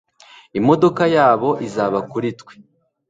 Imodoka yabo izaba kuri twe